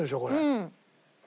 うん！